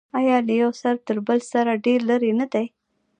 آیا له یوه سر تر بل سر ډیر لرې نه دی؟